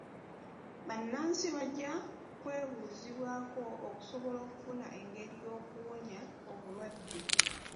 Bannansi bajja kwebuuzibwako okusobola okufuna engeri y'okuwonya obulwadde.